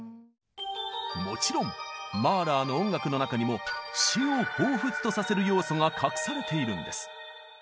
もちろんマーラーの音楽の中にも「死」を彷彿とさせる要素が隠されているんです！